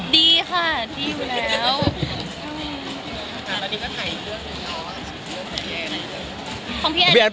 ดีค่ะดีกว่าอะไรนะ